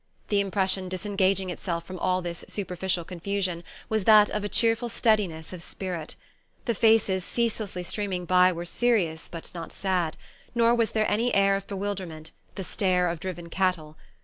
The impression disengaging itself from all this superficial confusion was that of a cheerful steadiness of spirit. The faces ceaselessly streaming by were serious but not sad; nor was there any air of bewilderment the stare of driven cattle.